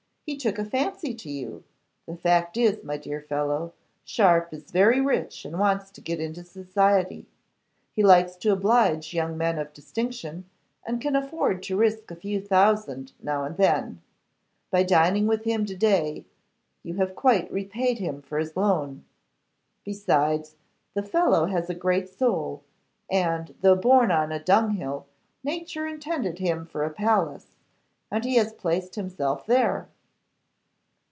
He took a fancy to you. The fact is, my dear fellow, Sharpe is very rich and wants to get into society. He likes to oblige young men of distinction, and can afford to risk a few thousands now and then. By dining with him to day you have quite repaid him for his loan. Besides, the fellow has a great soul; and, though born on a dung hill, nature intended him for a palace, and he has placed himself there.